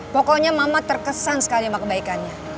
pokoknya mama terkesan sekali sama kebaikannya